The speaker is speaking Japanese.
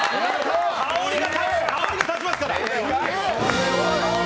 香りが立ちますから！